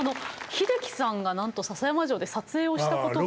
英樹さんがなんと篠山城で撮影をしたことが。